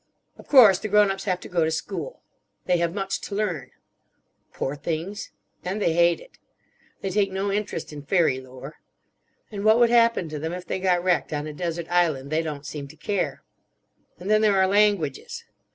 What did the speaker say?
"Of course the grown ups have to go to school. They have much to learn. Poor things! And they hate it. They take no interest in fairy lore. And what would happen to them if they got wrecked on a Desert Island they don't seem to care. And then there are languages.